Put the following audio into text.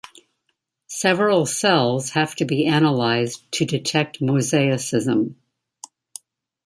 Several cells have to be analysed to detect mosaicism.